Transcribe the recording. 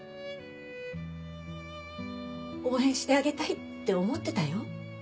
応援してあげたいって思ってたよ